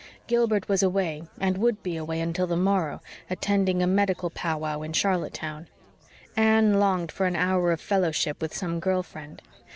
Gilbert was away and would be away until the morrow, attending a medical pow wow in Charlottetown. Anne longed for an hour of fellowship with some girl friend.